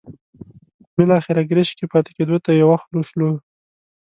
بالاخره ګرشک کې پاتې کېدو ته یو خوله شولو.